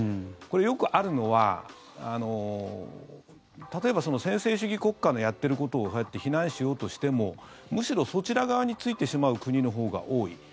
これ、よくあるのは例えば専制主義国家のやっていることを非難しようとしてもむしろ、そちら側についてしまう国のほうが多い。